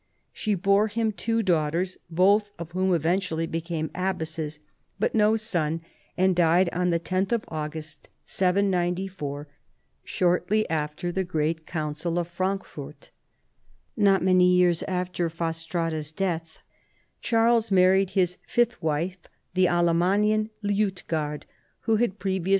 She bore him two daughters (both of whom eventually became abbesses) but no son, and 280 CHARLEMAGNE. died on the 10th of August, 794, shortly after the great council of Frankfurt. Not many years after Fastrada's death Charles married his fifth wife, the Alamannian Liutgard, who had previous!